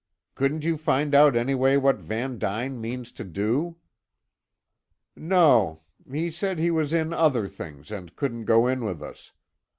Couldn't you find out anyway what Van Duyn means to do?" "No. He said he was in other things, and couldn't go in with us.